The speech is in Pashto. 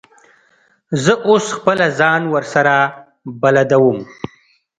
زه اوس خپله ځان ورسره بلدوم.